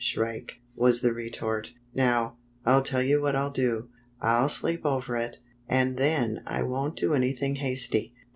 Shrike," was the retort, "Now, I'll tell you what I'll do. I'll sleep over it, and then I won't do anything hasty."